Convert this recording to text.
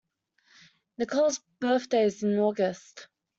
Nicole's birthday is in August.